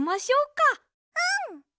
うん！